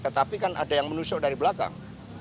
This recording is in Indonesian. tetapi kan ada yang menusuk dari belakang